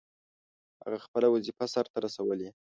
هغه خپله وظیفه سرته رسولې.